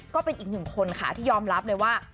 ก็เป็นอีกหนึ่งคนค่ะที่ยอมรับเลยว่า